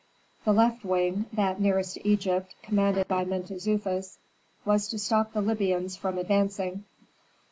The left wing, that nearest to Egypt, commanded by Mentezufis, was to stop the Libyans from advancing.